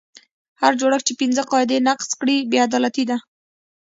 هر جوړښت چې پنځه قاعدې نقض کړي بې عدالتي ده.